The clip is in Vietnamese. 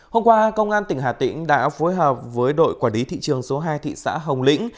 hôm qua công an tỉnh hà tĩnh đã phối hợp với đội quản lý thị trường số hai thị xã hồng lĩnh